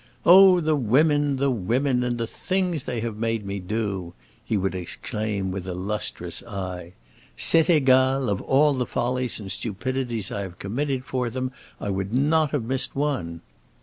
"Oh, the women, the women, and the things they have made me do!" he would exclaim with a lustrous eye. "C'est égal, of all the follies and stupidities I have committed for them I would not have missed one!"